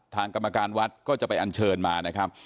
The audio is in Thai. กรรมการวัดก็จะไปอันเชิญมานะครับ